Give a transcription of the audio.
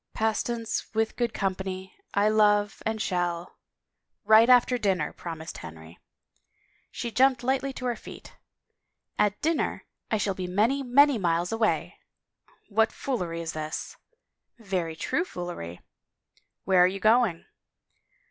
Pastance with good company I love, and shall —" Right after dinner," promised Henry. She jumped lightly to her feet " At dinner I shall be many, many miles away." "What foolery is this?" " Very true foolery." "Where are you going?"